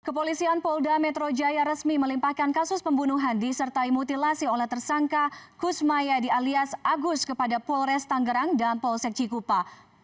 kepolisian polda metro jaya resmi melimpahkan kasus pembunuhan disertai mutilasi oleh tersangka kusmayadi alias agus kepada polres tanggerang dan polsek cikupa